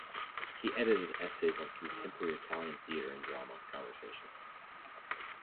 He edited essays on contemporary Italian theatre and drama, conversations.